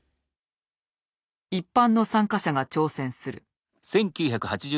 一般の参加者が挑戦する。